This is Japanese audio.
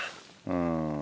うん。